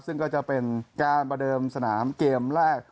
ซึ่งก็จะเป็นการประเดิมสนามเกมแรก